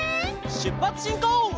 しゅっぱつしんこう！